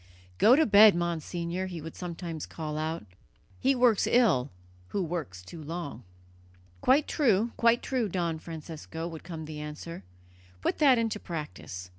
"Go to bed, Monsignor," he would sometimes call out. "He works ill who works too long." "Quite true, quite true, Don Francesco," would come the answer; "put that into practice.